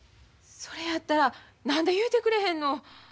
それやったら何で言うてくれへんの。